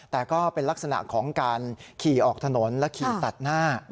แต่ก็เป็นลักษณะของการขี่ออกถนนและขี่ตัดหน้า